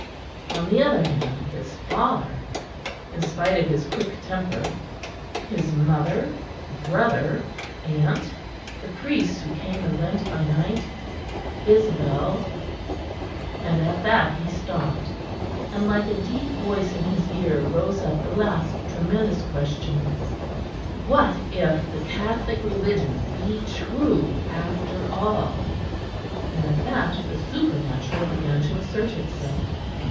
On the other hand, his father, in spite of his quick temper, his mother, brother, aunt, the priests who came and went by night, Isabel and at that he stopped: and like a deep voice in his ear rose up the last tremendous question, What if the Catholic Religion be true after all? And at that the supernatural began to assert itself.